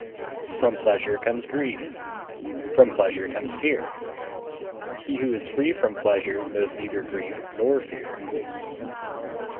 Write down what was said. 212. From pleasure comes grief, from pleasure comes fear; he who is free from pleasure knows neither grief nor fear.